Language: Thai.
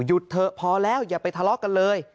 เถอะพอแล้วอย่าไปทะเลาะกันเลย